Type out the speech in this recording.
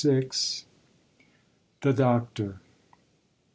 THE DOCTOR.